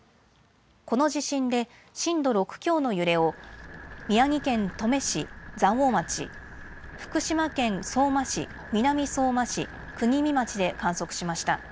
この地震で震度６強の揺れを宮城県登米市、蔵王町、福島県相馬市、南相馬市、国見町で観測しました。